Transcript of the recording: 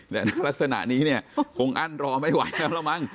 ลักษณะนี้คงอั้นรอไม่ไหวแล้วแหละมั้ง